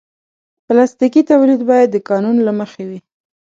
پلاستيکي تولید باید د قانون له مخې وي.